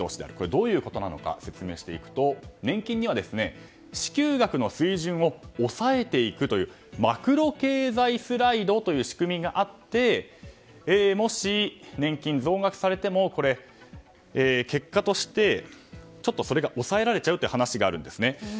どういうことなのか説明していくと年金には支給額の水準を抑えていくというマクロ経済スライドという仕組みがあってもし、年金増額されても結果としてそれが抑えられちゃうという話があるんですね。